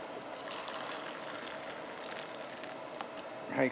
はい。